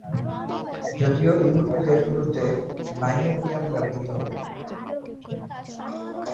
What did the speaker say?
যদিও ইউরোপের দেশগুলোতে "নাইওবিয়াম" ব্যবহৃত হতো।